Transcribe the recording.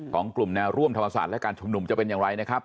ของกลุ่มแนวร่วมธรรมศาสตร์และการชุมนุมจะเป็นอย่างไรนะครับ